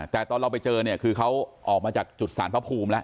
แต่ตอนเราไปเจอเนี่ยคือเขาออกมาจากจุดสารพระภูมิแล้ว